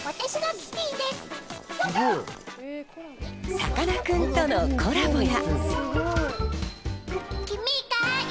さかなクンとのコラボや。